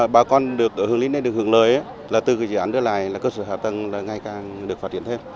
bà con được hưởng lý được hưởng lợi là từ cái dự án đưa lại là cơ sở hạ tầng là ngay càng được phát triển thêm